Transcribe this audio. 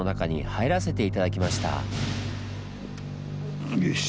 はい。